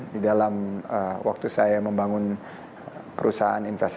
di dalam waktu saya membangun perusahaan investasi